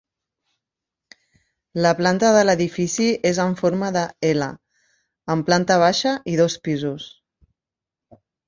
La planta de l'edifici és en forma de ela, amb planta baixa i dos pisos.